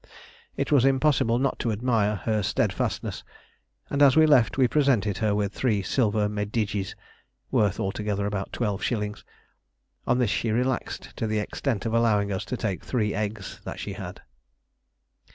It was impossible not to admire her steadfastness, and as we left we presented her with three silver medjidies (worth altogether about twelve shillings). On this she relaxed to the extent of allowing us to take three eggs that she had.